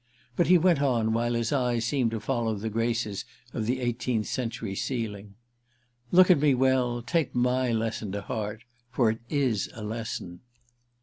But he went on while his eyes seemed to follow the graces of the eighteenth century ceiling: "Look at me well, take my lesson to heart—for it is a lesson.